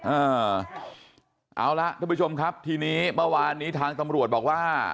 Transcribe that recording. เอาละท่านผู้ชมครับทีนี้เมื่อวานนี้ทางตำรวจบอกว่า